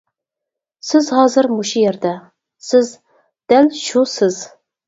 سىز ھازىر مۇشۇ يەردە، سىز دەل شۇ سىز.